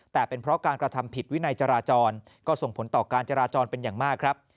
แต่เป็นเพราะการกระทำผิดวินัยจราจรก็ส่งผลต่อการจราจรเป็นอย่างมากครับ